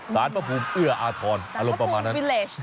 พระภูมิเอื้ออาทรอารมณ์ประมาณนั้น